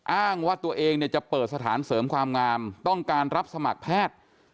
อ้างว่าตัวเองเนี่ยจะเปิดสถานเสริมความงามต้องการรับสมัครแพทย์